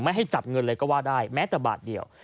ให้จับเงินเลยก็ว่าได้แม้แต่บาทเดียว